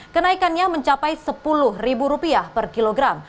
kenaikannya mencapai rp sepuluh per kilogram